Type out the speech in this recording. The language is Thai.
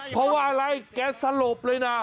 เพราะว่าอะไรแกสลบเลยนะ